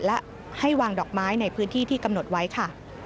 และให้วางดอกไม้ในพื้นที่ที่กำหนดไว้ค่ะ